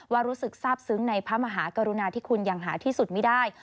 รู้สึกทราบซึ้งในพระมหากรุณาที่คุณอย่างหาที่สุดไม่ได้